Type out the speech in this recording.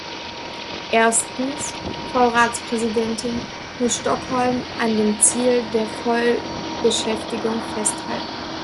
Erstens, Frau Ratspräsidentin, muss Stockholm an dem Ziel der Vollbeschäftigung festhalten.